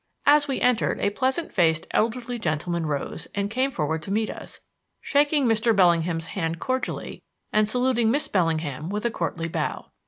As we entered, a pleasant faced, elderly gentleman rose and came forward to meet us, shaking Mr. Bellingham's hand cordially and saluting Miss Bellingham with a courtly bow.